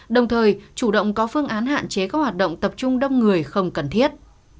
đồng thời chủ động có phương án hạn chế các hoạt động tập trung đông người không cần thiết